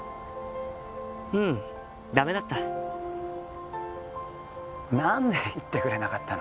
うんダメだった何で言ってくれなかったの？